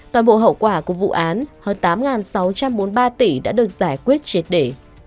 toàn bộ hậu quả của vụ án hơn tám sáu trăm bốn mươi ba tỷ đã được giải quyết triệt để